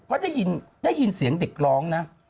ก็ได้ยินเสียงเด็กร้องนะ